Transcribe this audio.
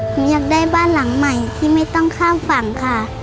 หนูอยากได้บ้านหลังใหม่ที่ไม่ต้องข้ามฝั่งค่ะ